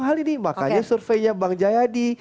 hal ini makanya surveinya bang jayadi